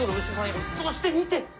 そして見て！